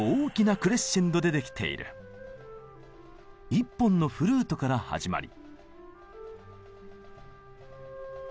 １本のフルートから始まり。